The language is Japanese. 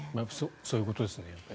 そういうことですね。